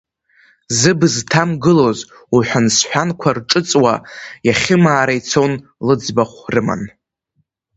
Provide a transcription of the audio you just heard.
Зыбз ҭамгылоз, уҳәан-сҳәанқәа рҿыцуа, иахьымаара ицон лыӡбахә рыман…